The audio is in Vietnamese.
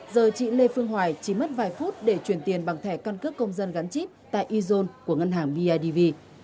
giờ chị lê phương hoài chỉ mất vài phút để chuyển tiền bằng thẻ căn cước công dân gắn chip tại izon của ngân hàng bidv